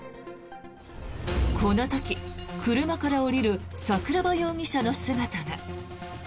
この時、車から降りる桜庭容疑者の姿が。